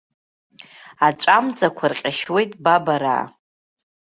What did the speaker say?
Аҵәамҵақәа рҟьашьуеит, бабараа.